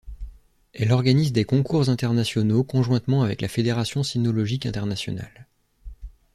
Elle organise des concours internationaux conjointement avec la Fédération cynologique internationale.